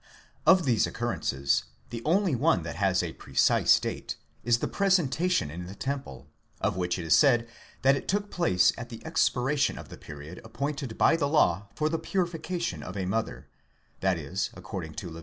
Of these occurrences the only one that has a precise date is the presentation in the temple, of which it is said that it took place at the expiration of the period appointed by the law for the purification of a mother, that is, accord ing to Lev.